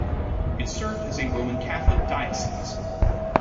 It served as a Roman Catholic diocese.